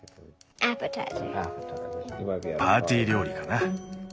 パーティー料理かな。